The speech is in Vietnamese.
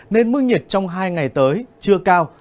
nên mưa nhiệt trong hai ngày tới chưa cao